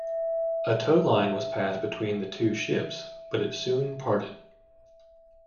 A towline was passed between the two ships, but it soon parted.